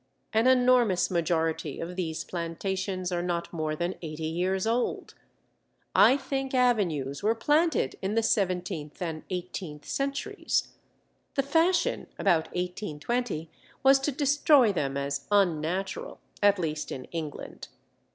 An enormous majority of these plantations are not more than eighty years old. I think avenues were planted in the seventeenth and eighteenth centuries. The fashion about 1820 was to destroy them as unnatural, at least in England.